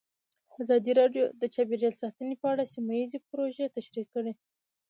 ازادي راډیو د چاپیریال ساتنه په اړه سیمه ییزې پروژې تشریح کړې.